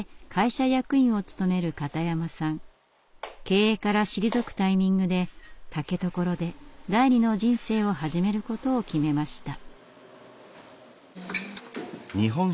経営から退くタイミングで竹所で第二の人生を始めることを決めました。